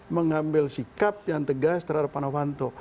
mengambil sikap yang tegas terhadap anofanto